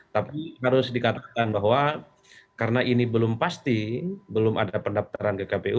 tapi harus dikatakan bahwa karena ini belum pasti belum ada pendaftaran ke kpu